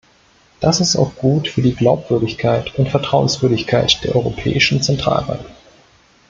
Das ist auch gut für die Glaubwürdigkeit und Vertrauenswürdigkeit der Europäischen Zentralbank.